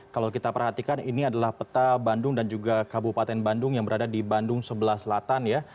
kalau kita perhatikan ini adalah peta bandung dan juga kabupaten bandung yang berada di bandung sebelah selatan ya